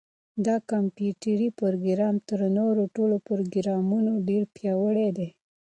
دا کمپیوټري پروګرام تر نورو ټولو پروګرامونو ډېر پیاوړی دی.